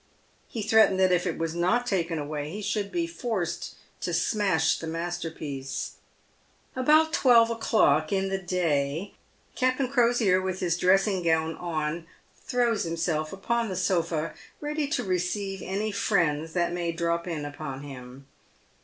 He threatened that if it was not taken away he should be forced to smash the masterpiece. About twelve o'clock in the day, Caplain Crosier, with his dress ing gown on, throws himself upon the sofa, ready to receive any friends that may drop in upon him.